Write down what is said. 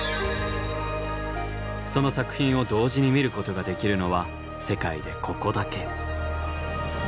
その作品を同時に見ることができるのは世界でここだけ。